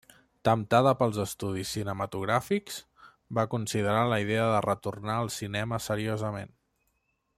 Temptada pels estudis cinematogràfics, va considerar la idea de retornar al cinema seriosament.